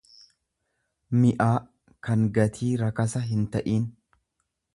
mi'aa, kan gatii rakasa hin ta'in.